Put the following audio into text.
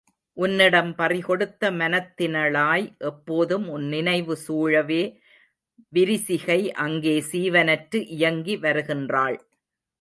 உன்னிடம் பறிகொடுத்த மனத்தினளாய் எப்போதும் உன் நினைவு சூழவே விரிசிகை அங்கே சீவனற்று இயங்கி வருகின்றாள்.